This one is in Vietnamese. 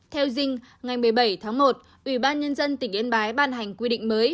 theo dinh ngày một mươi bảy tháng một ubnd tỉnh yên bái ban hành quy định mới